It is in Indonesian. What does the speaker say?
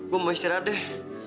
gue mau istirahat deh